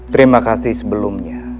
terima kasih sebelumnya